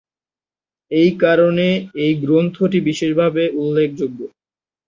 এই কারণে, এই গ্রন্থটি বিশেষভাবে উল্লেখযোগ্য।